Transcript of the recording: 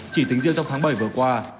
chỉ tính riêng trong tháng bảy vừa qua